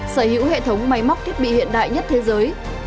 sở hữu hệ thống máy móc thiết bị hiện đại nhất thế giới